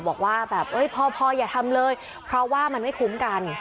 บอกว่าแบบพออย่าทำเลยเพราะว่ามันไม่คุ้มกัน